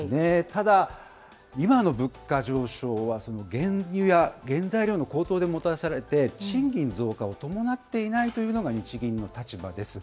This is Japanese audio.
ただ、今の物価上昇は、原油や原材料の高騰でもたらされて、賃金増加を伴っていないというのが日銀の立場です。